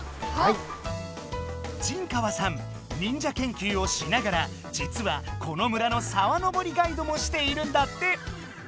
甚川さん忍者けんきゅうをしながらじつはこの村の沢のぼりガイドもしているんだって。